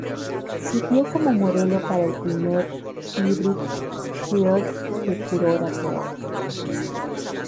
Sirvió como modelo para el primer Hybrid Child que Kuroda creó.